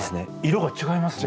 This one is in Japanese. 色が違いますね。